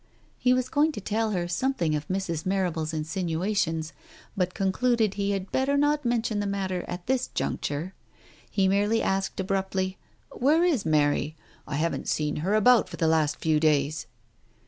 ..." He was going to tell her something of Mrs. Marrable's insinuations, but concluded he had better not mention the matter at this juncture. ... He merely asked abruptly, "Where is Mary? I haven't seen her about for the last few days."